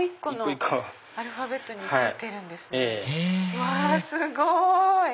うわすごい！